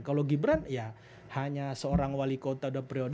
kalau gibran hanya seorang wali kota